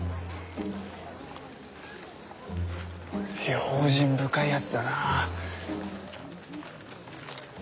用心深いやつだな。